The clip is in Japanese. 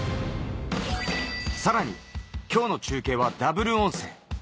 さらに今日の中継はダブル音声。